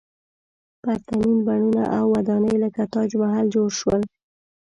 پرتمین بڼونه او ودانۍ لکه تاج محل جوړ شول.